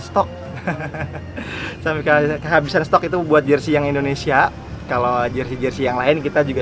stok sampai kehabisan stok itu buat jersi yang indonesia kalau jersi jersi yang lain kita juga